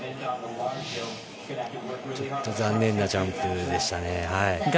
ちょっと残念なジャンプでしたね。